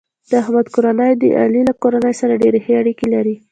د احمد کورنۍ د علي له کورنۍ سره ډېرې ښې اړیکې لري.